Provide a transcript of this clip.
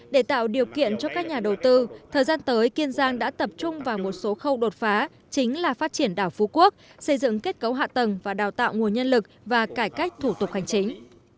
để tạo điều kiện cho các nhà đầu tư thời gian tới kiên giang đã tập trung vào một số khâu đột phá chính là phát triển đảo phú quốc xây dựng kết cấu hạ tầng và đào tạo nguồn nhân lực và cải cách thủ tục hành chính